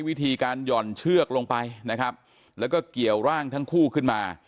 วิธีการหย่อนเชือกลงไปนะครับแล้วก็เกี่ยวร่างทั้งคู่ขึ้นมา